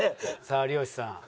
さあ有吉さん。